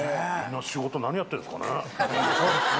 仕事、何やってるんですかね。